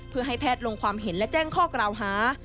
เพื่อให้แพทย์ลงความเห็นและแจ้งข้อกล่าวหา